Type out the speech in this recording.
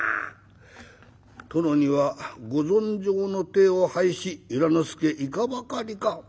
「殿にはご存生の態を拝し由良之助いかばかりか」。